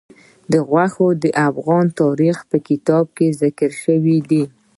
غوښې د افغان تاریخ په کتابونو کې ذکر شوی دي.